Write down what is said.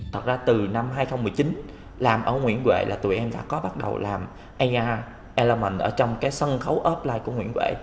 thật ra từ năm hai nghìn một mươi chín làm ở nguyễn huệ là tụi em đã có bắt đầu làm aia ellamond ở trong cái sân khấu offline của nguyễn huệ